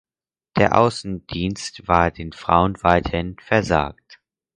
Der Außendienst war den Frauen weiterhin versagt.